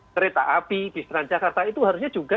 kereta api di seranjakarta itu harusnya juga